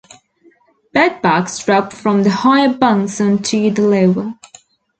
Bedbugs drop from the higher bunks onto the lower.